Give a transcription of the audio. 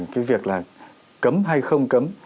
cái việc là cấm hay không cấm